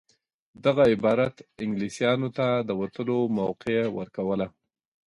دغه عبارت انګلیسیانو ته د وتلو موقع ورکوله.